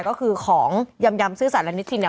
ก็คือของยำซื่อสัตว์และนิทินเนี่ย